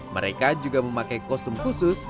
mereka juga memakai kostum khusus